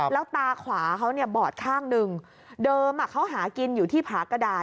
แล้วตาขวาเขาเนี่ยบอดข้างหนึ่งเดิมเขาหากินอยู่ที่ผากระดาษ